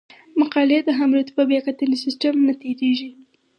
مقالې د هم رتبه بیاکتنې سیستم نه تیریږي.